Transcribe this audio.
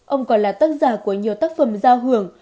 ông còn là tác giả của nhiều tác phẩm giao hưởng